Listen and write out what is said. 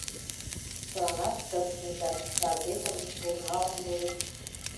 Чыланат шып шинчат, газетым, журналым лудыт.